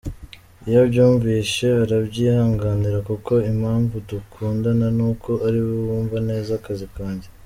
Iyo abyumvishe arabyihanganira kuko impamvu dukundana ni uko ariwe wumva neza akazi kanjye.